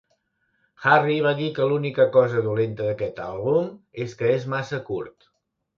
Harry va dir que l'única cosa dolenta d'aquest àlbum és que és "massa curt".